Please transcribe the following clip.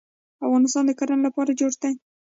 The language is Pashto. افغانستان د کرنې لپاره جوړ دی.